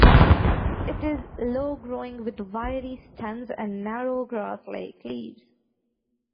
It is low-growing with wiry stems and narrow, grass-like leaves.